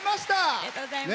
ありがとうございます。